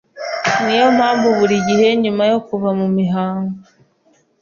niyo mpamvu buri gihe nyuma yo kuva mu mihango,